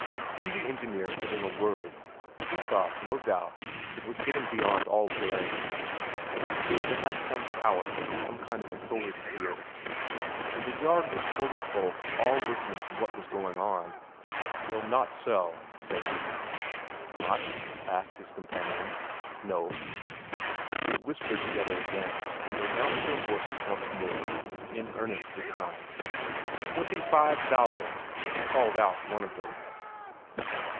Then the engineer put in a word; he thought, no doubt, it was getting beyond all bearing. And he seemed to have some power, some kind of authority here. And the yard was full of folk all listening to what was going on. "We'll not sell," said he. "Not?" asked his companions. "No." They whispered together again, and they mounted their horses once more in earnest this time. "Twenty five thousand!" called out one of them.